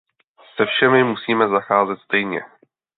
Se všemi musíme zacházet stejně.